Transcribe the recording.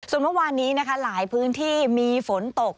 ส่วนเมื่อวานนี้นะคะหลายพื้นที่มีฝนตก